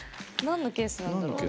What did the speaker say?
何のケースなんだろう。